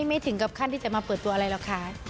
ไม่ถึงกับขั้นที่จะมาเปิดตัวอะไรหรอกค่ะ